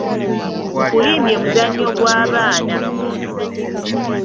Nkulimbye muzannyo gw’abaana.